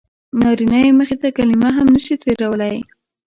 نارینه یې مخې ته کلمه هم نه شي تېرولی.